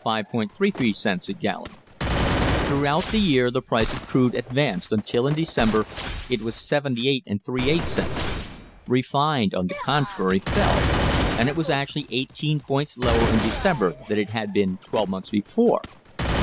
33 cents a gallon. Throughout the year the price of crude advanced until in December it was 78^/8 cents. Refined, on the con trary, fell, and it was actually eighteen points lower in Decem ber than it had been twelve months before.